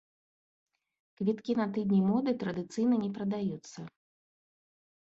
Квіткі на тыдні моды традыцыйна не прадаюцца.